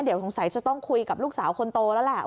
เดี๋ยวสงสัยจะต้องคุยกับลูกสาวคนโตแล้วแหละ